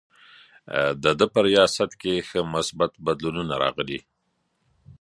د ده په ریاست کې ښه مثبت بدلونونه راغلي.